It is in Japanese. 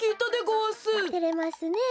てれますねえ。